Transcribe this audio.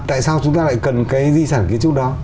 tại sao chúng ta lại cần cái di sản kiến trúc đó